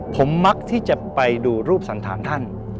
ผมมักที่จะไปดูรูปสันธารท่าน